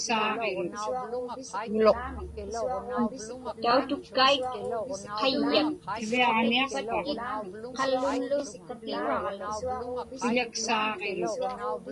Tautukkaik qayyak.